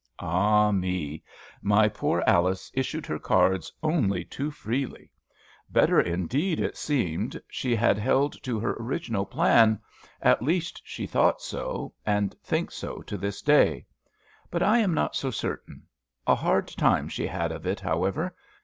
Ah me! My poor Alice issued her cards only too freely. Better indeed, it seemed, had she held to her original plan; at least she thought so, and thinks so to this day. But I am not so certain. A hard time she had of it, however.